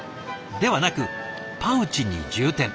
ではなくパウチに充填。